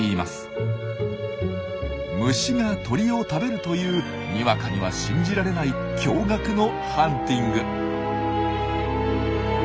虫が鳥を食べるというにわかには信じられない驚がくのハンティング。